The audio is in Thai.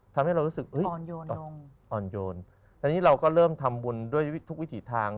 ทำให้เรารู้สึกอ่อนโยนอันนี้เราก็เริ่มทำบุญด้วยทุกวิถีทาง